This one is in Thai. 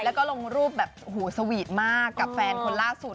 แล้วก็ลงรูปแบบโอ้โหสวีทมากกับแฟนคนล่าสุด